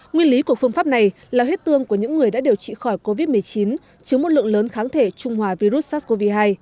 nguyên lý của phương pháp này là huyết tương của những người đã điều trị khỏi covid một mươi chín chứng một lượng lớn kháng thể trung hòa virus sars cov hai